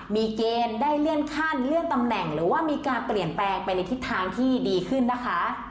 มีเกณฑ์ได้เลื่อนขั้นเลื่อนตำแหน่งหรือว่ามีการเปลี่ยนแปลงไปในทิศทางที่ดีขึ้นนะคะ